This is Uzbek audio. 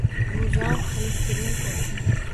Buvijon xolesterinku